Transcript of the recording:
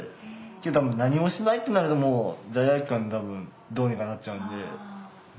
多分何もしないってなると罪悪感で多分どうにかなっちゃうんで。